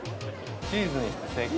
チーズにして正解。